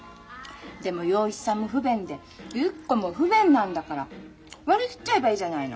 でも洋一さんも不便でゆき子も不便なんだから割り切っちゃえばいいじゃないの。